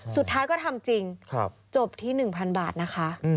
สุดท้ายก็ทำจริงจบที่หนึ่งพันบาทนะคะ